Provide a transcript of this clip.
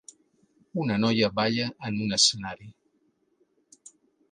Una noia balla en un escenari.